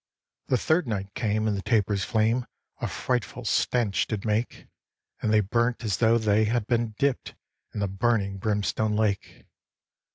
The third night came, and the tapers' flame A frightful stench did make; And they burnt as though they had been dipt In the burning brimstone lake.